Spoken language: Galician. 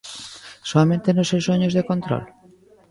¿Soamente nos seus soños de control?